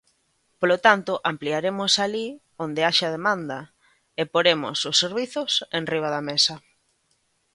Polo tanto, ampliaremos alí onde haxa demanda e poremos os servizos enriba da mesa.